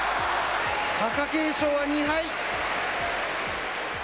貴景勝は２敗。